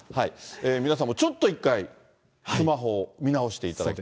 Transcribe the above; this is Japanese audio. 皆さんもちょっと一回、スマホ見直していただいて。